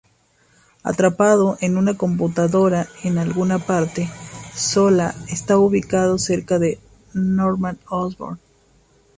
Atrapado en una computadora en alguna parte, Zola está ubicado cerca Norman Osborn.